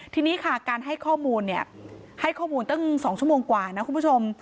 ทีนี้ค่ะการให้ข้อมูลเนี่ยให้ข้อมูลตั้ง๒ชั่วโมงกว่านะคุณผู้ชม